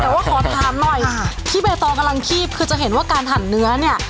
แต่ว่าขอถามหน่อยที่ใบตองกำลังคีบคือจะเห็นว่าการหั่นเนื้อเนี่ย